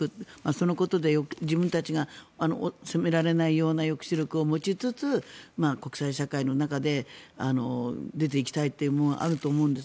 そのことで自分たちが攻められないような抑止力を持ちつつ国際社会の中で出ていきたいという思いはあると思うんです。